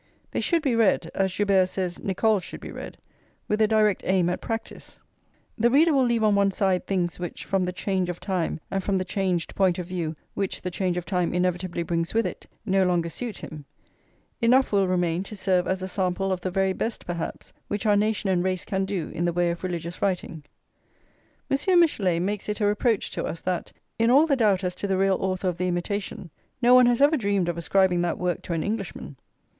They should be read, as Joubert says Nicole should be read, with a direct aim at practice. The reader will leave on one side things which, from the change of time and from the changed point of view which the change of time inevitably brings with it, no longer suit him; enough [vi] will remain to serve as a sample of the very best, perhaps, which our nation and race can do in the way of religious writing. Monsieur Michelet makes it a reproach to us that, in all the doubt as to the real author of the Imitation, no one has ever dreamed of ascribing that work to an Englishman.